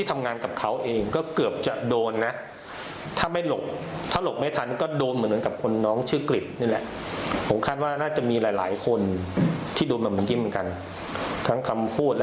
มันเข้าข่ายทำร้ายร่างกาย